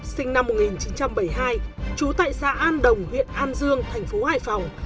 sinh năm một nghìn chín trăm bảy mươi hai trú tại xã an đồng huyện an dương thành phố hải phòng